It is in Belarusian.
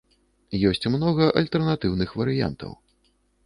Ёсць многа альтэрнатыўных варыянтаў.